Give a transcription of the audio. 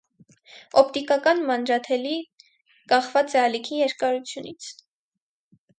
Օպտիկական մանրաթելի կախված է ալիքի երկարությունից։